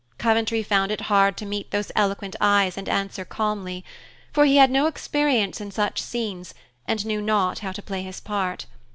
Coventry found it hard to meet those eloquent eyes and answer calmly, for he had no experience in such scenes and knew not how to play his part.